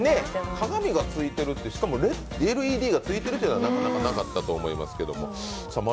鏡が付いてるってしかもＬＥＤが付いてるっていうのがなかなかなかったと思いますが。